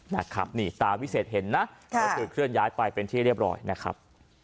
นะครับนี่ตาวิเศษเห็นนะก็คือเคลื่อนย้ายไปเป็นที่เรียบร้อยนะครับ